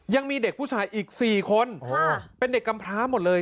ยังมีเด็กผู้ชายอีก๔คนเป็นเด็กกำพร้าหมดเลย